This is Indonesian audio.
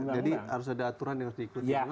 jadi harus ada aturan yang harus diikuti